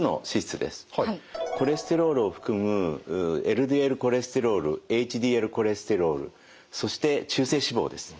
コレステロールを含むＬＤＬコレステロールＨＤＬコレステロールそして中性脂肪です。